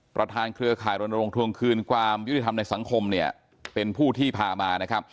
ประธานเครือข่ายรณรงค์ทวงคืนความยุติธรรมในสังคมเป็นผู้ที่พามา